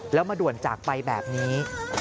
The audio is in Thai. แล้วมาด่วนจากไปแบบนี้